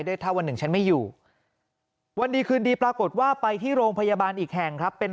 ได้ถ้าวันหนึ่งฉันไม่อยู่วันดีคืนดีปรากฏว่าไปที่โรงพยาบาลอีกแห่งครับเป็น